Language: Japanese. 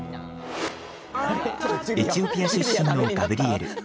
エチオピア出身のガブリエル。